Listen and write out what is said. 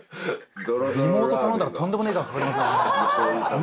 リモートで頼んだらとんでもねえ値段かかりますよね。